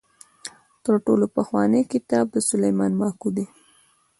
تر ټولو پخوانی کتاب د سلیمان ماکو دی.